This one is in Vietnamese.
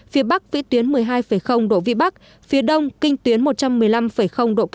phía bắc vĩ tuyến một mươi hai độ vn phía đông kinh tuyến một trăm một mươi năm độ k